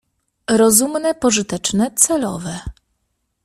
Rozumne, pożyteczne — celowe.